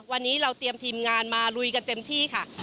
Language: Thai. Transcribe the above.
วันนี้เราเตรียมทีมงานมาลุยกันเต็มที่ค่ะ